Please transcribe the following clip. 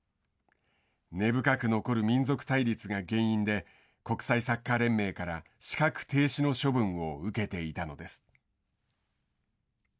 根深く残る民族対立が原因で国際サッカー連盟から資格停止の処分を受けていたのです。